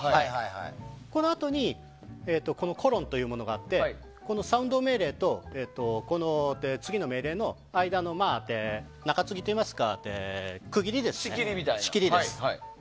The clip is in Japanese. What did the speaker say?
このあとに「：」というものがあって「ＳＯＵＮＤ」命令と次の命令の間の中継ぎといいますか区切りですね。